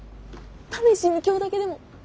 試しに今日だけでも。